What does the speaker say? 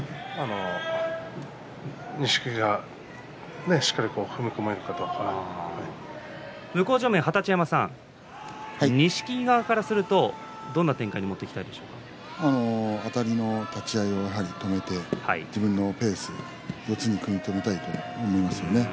錦木がしっかり向正面の二十山さん錦木側からするとどんな展開にあたりの立ち合いを止めて、自分のペース四つに組み止めたいと思いますよね。